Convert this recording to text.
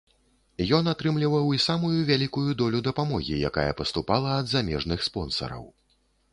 Ён атрымліваў і самую вялікую долю дапамогі, якая паступала ад замежных спонсараў.